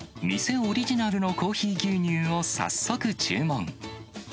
店オリジナルのコーヒー牛乳を早速注文。